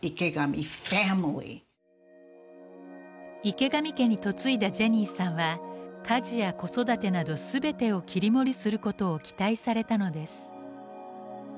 池上家に嫁いだジェニーさんは家事や子育てなど全てを切り盛りすることを期待されたのです。